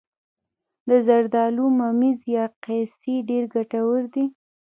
د زردالو ممیز یا قیسی ډیر ګټور دي.